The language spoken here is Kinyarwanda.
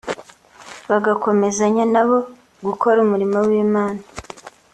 bagakomezanya na bo gukora umurimo w’Imana